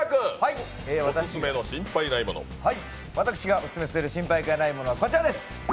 私がオススメする心配ないものはこちらです。